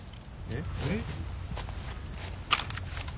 えっ？えっ？